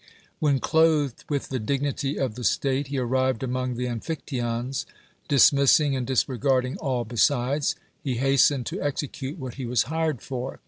AVhen clothed with the dignity of the state he arrived among the Amphictyons, dis missing and disregarding all besides, he hastened to execute what he was hired for.